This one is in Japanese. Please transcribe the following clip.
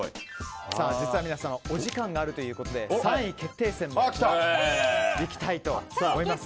実は皆様お時間があるということで３位決定戦にいきたいと思います。